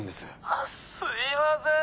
あっすいません。